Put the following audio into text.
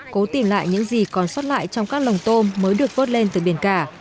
cố tìm lại những gì còn sót lại trong các lồng tôm mới được vớt lên từ biển cả